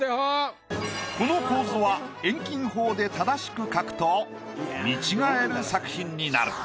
この構図は遠近法で正しく描くと見違える作品になる。